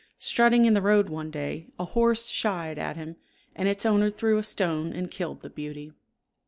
Strutting in the road one day, a horse shied at him, and its owner threw a stone and killed the beauty.